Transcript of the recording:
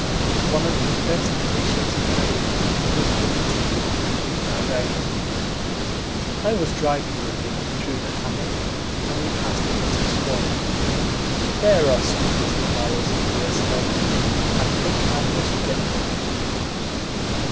One of his best appreciated favors was unintended and indirect. I was driving with him through the hammock, and we passed a bit of swamp. "There are some pretty flowers," he exclaimed; "I think I must get them."